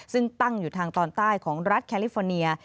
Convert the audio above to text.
ซึ่งตั้งอยู่ทางตอนใต้ของรัฐแคลิฟอร์เนีย